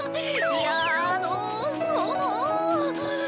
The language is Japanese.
いやああのその。